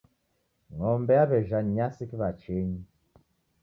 Ng'ombe yaw'ejha nyasi kiw'achenyi.